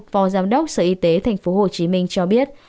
phó giám đốc sở y tế tp hcm cho biết